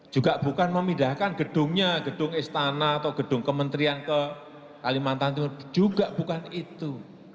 juga bukan memindahkan gedungnya gedung istana atau gedung kementerian ke kalimantan timur juga bukan itu